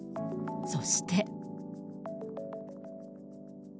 そして。